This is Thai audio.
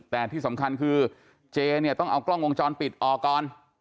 แต่ที่สำคัญคือเจเนี่ยต้องเอากล้องวงจรปิดออกก่อน